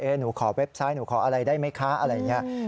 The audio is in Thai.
หนูขอเว็บไซต์หนูขออะไรได้ไหมคะอะไรอย่างนี้